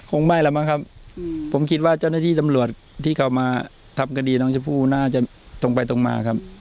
คงไม่แล้วมั้งครับผมคิดว่าเจ้าหน้าที่ตำรวจที่เขามาทำคดีน้องชมพู่น่าจะตรงไปตรงมาครับ